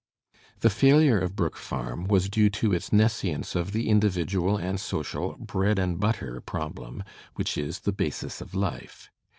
The failure of Brook Parm was due to its nescience of the individual and social bread and butter problem, which is the basis of life.